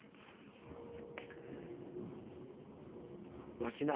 わしな。